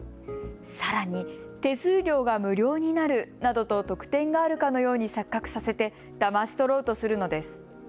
さらに手数料が無料になるなどと特典があるかのように錯覚させてだまし取ろうとするのです。